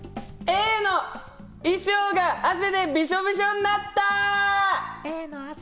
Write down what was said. Ａの衣装が汗でびしょびしょになった！